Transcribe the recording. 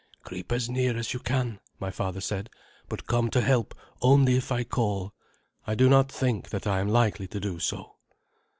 "Creep as near as you can," my father said; "but come to help only if I call. I do not think that I am likely to do so."